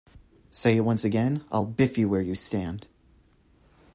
Say it once again, and I'll biff you where you stand.